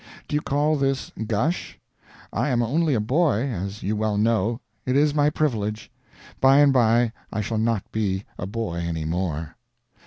Do you call this "gush"? I am only a boy, as you well know; it is my privilege. By and by I shall not be a boy any more.